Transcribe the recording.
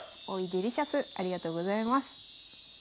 デリシャスありがとうございます。